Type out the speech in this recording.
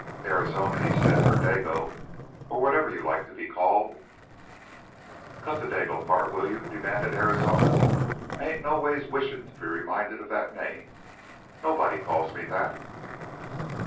"Arizona," he said, "or Dago, or whatever you like to be called " "Cut the Dago part, will you?" demanded Arizona. "I ain't no ways wishing to be reminded of that name. Nobody calls me that."